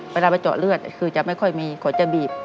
เวลาไปเจาะเลือดคือจะไม่ค่อยมีเขาจะบีบ